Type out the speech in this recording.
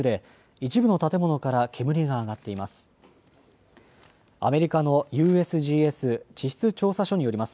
一部の建物から煙が上がっています。